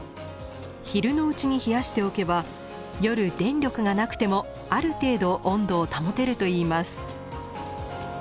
昼のうちに冷やしておけば夜電力がなくてもある程度温度を保てるといいます。